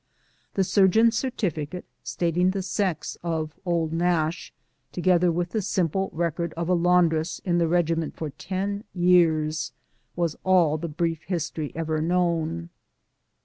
The surgeon's certificate, stating the sex of " Old Kash," together with the simple record of a laundress in the regi ment for ten years, was all the brief history ever known.